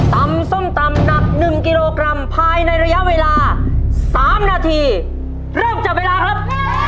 ส้มตำหนัก๑กิโลกรัมภายในระยะเวลา๓นาทีเริ่มจับเวลาครับ